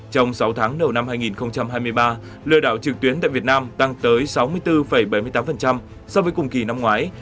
trong sáu tháng đầu năm hai nghìn hai mươi ba lừa đảo trực tuyến tại việt nam tăng tới sáu mươi bốn bảy mươi tám so với cùng kỳ năm ngoái